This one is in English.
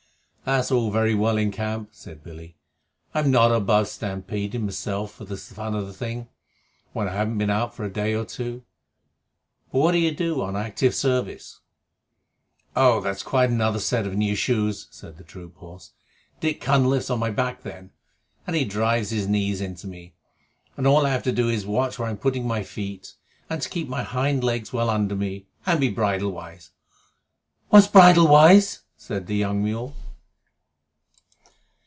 "That's all very well in camp," said Billy. "I'm not above stampeding myself, for the fun of the thing, when I haven't been out for a day or two. But what do you do on active service?" "Oh, that's quite another set of new shoes," said the troop horse. "Dick Cunliffe's on my back then, and drives his knees into me, and all I have to do is to watch where I am putting my feet, and to keep my hind legs well under me, and be bridle wise." "What's bridle wise?" said the young mule.